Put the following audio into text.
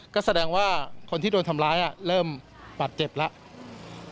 ก็แสดงว่าคนที่โดนทำร้ายเริ่มบาดเจ็บแล้ว